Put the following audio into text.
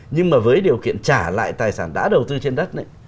nhưng mà với điều kiện trả lại tài sản đã đầu tư trên đất